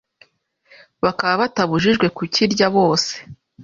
bakaba batabujijwe kukirya bose